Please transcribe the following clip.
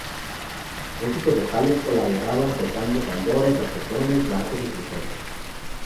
Los músicos locales colaboraban tocando tambores, saxofones, bajos y trompetas.